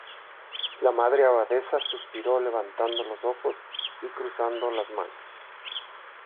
la Madre Abadesa suspiró levantando los ojos y cruzando las manos: